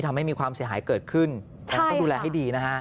ทำให้มีความเสียหายเกิดขึ้นฉะนั้นต้องดูแลให้ดีนะฮะ